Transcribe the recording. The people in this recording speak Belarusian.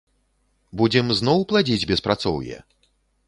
Будзем зноў пладзіць беспрацоўе?